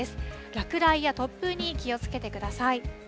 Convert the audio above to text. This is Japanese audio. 落雷や突風に気をつけてください。